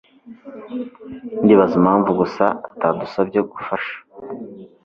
Ndibaza impamvu gusa atadusabye gufasha.